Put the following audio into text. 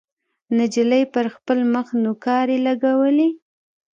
نجلۍ پر خپل مخ نوکارې لګولې.